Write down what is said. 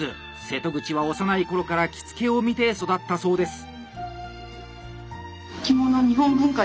瀬戸口は幼い頃から着付を見て育ったそうです。